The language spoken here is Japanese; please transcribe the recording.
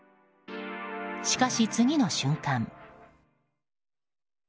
しかし、次の瞬間。